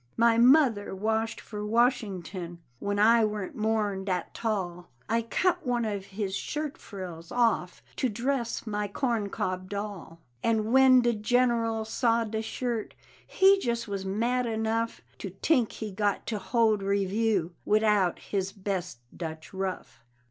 My mother washed for Washington When I warn't more'n dat tall; I cut one of his shirt frills off To dress my corn cob doll; And when de General saw de shirt, He jus' was mad enough To tink he got to hold review Widout his best Dutch ruff.